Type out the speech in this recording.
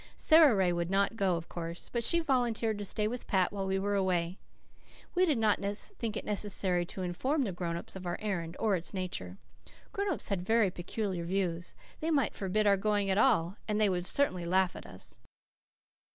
Sara Ray would not go, of course, but she volunteered to stay with Pat while we were away. We did not think it necessary to inform the grown ups of our errand, or its nature. Grown ups had such peculiar views. They might forbid our going at all and they would certainly laugh at us.